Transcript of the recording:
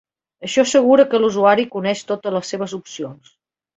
Això assegura que l'usuari coneix totes les seves opcions.